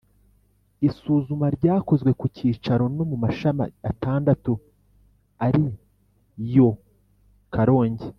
isuzuma ryakozwe ku cyicaro no mu mashami atandatu ari yo karongi,